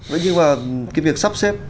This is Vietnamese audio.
vậy nhưng mà cái việc sắp xếp